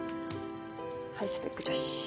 ハイスペック女子。